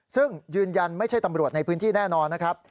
ซึ่งยืนยันไม่ใช่ตำรวจในพื้นที่แน่นอนนะครับ